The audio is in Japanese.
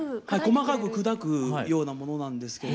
細かく砕くようなものなんですけども。